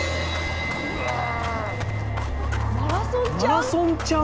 マラソンちゃん？